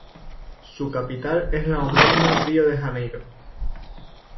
Su capital es la homónima Río de Janeiro.